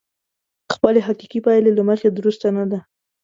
خپلې حقيقي پايلې له مخې درسته نه ده.